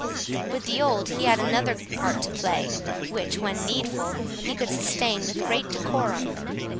With the old, he had another part to play, which, when needful, he could sustain with great decorum.